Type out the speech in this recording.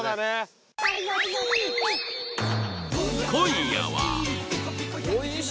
今夜は。